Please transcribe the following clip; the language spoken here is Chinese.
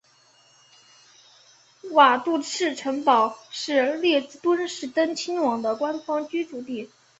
瓦杜茨城堡是列支敦士登亲王的官方居住地。